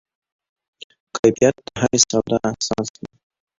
کیفیت د هرې سودا اساس دی.